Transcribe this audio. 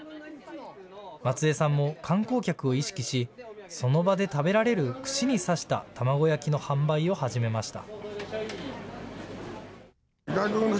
松江さんも観光客を意識しその場で食べられる串に刺した卵焼きの販売を始めました。